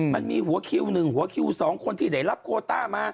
มันมีหัวคิว๑หัวคิว๒คนที่ได้รับโคต้ามา